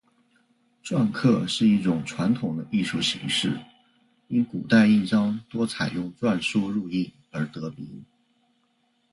篆刻是一种传统的艺术形式，因古代印章多采用篆书入印而得名。